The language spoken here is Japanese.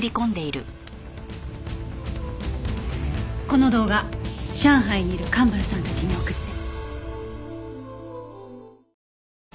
この動画上海にいる蒲原さんたちに送って。